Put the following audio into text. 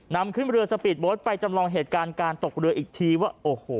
นำเขื่อมาเรือสปีย์โบสท์ไปจำลองเหตุการณ์การตกเรืออีกทีว่า